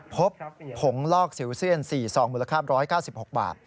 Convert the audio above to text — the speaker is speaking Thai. พบขงลอกสิวเสี้ยนสี่สองมูลคาบร้อย๙๖บาท